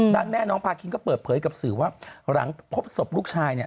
ด้านแม่น้องพาคินก็เปิดเผยกับสื่อว่าหลังพบศพลูกชายเนี่ย